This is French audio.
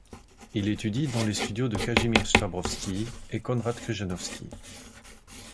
Il étudie dans les studios de Kazimierz Stabrowski et Konrad Krzyżanowski.